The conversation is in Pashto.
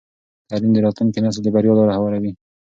تعلیم د راتلونکي نسل د بریا لاره هواروي.